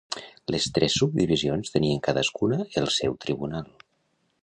Les tres subdivisions tenien cadascuna el seu tribunal.